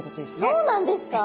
そうなんですか？